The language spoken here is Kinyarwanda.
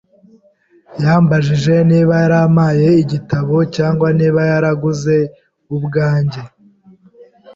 Yambajije niba yarampaye igitabo, cyangwa niba naraguze ubwanjye.